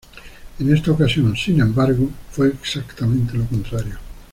En esta ocasión, sin embargo, fue exactamente lo contrario.